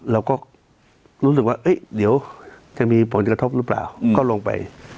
เราก็รู้สึกว่าเดี๋ยวจะมีผลกระทบหรือเปล่าก็ลงไป